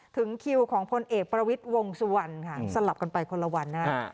ถึงคิวของพลเอกประวิทย์วงสุวรรณค่ะสลับกันไปคนละวันนะฮะ